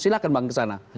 silahkan bangun ke sana